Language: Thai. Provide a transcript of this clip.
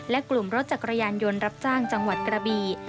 และกลุ่มรถจักรยานยนต์รับจ้างจังหวัดกระบี